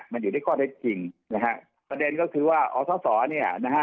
มันอยู่ที่ข้อเท็จจริงนะฮะประเด็นก็คือว่าอทศเนี่ยนะฮะ